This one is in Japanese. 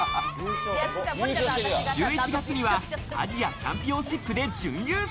１１月にはアジアチャンピオンシップで準優勝。